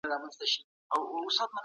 په هیواد کي اقتصادي پرمختيا روانه ده.